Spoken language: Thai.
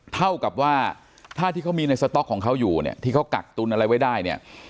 เท่ากับว่าถ้าที่เขามีในสต๊อกของเขาอยู่เนี่ยที่เขากักตุนอะไรไว้ได้เนี่ย